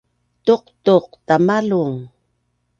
tuqtuq tamalung